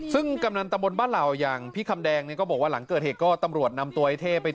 ซึ่งกับนันตำรวจบ้านเหล่ายังพี่คำแดงก็บอกว่าหลังเกิดเหตุก็ตำรวจนำไว้ไปตรวจปราสาวะนะ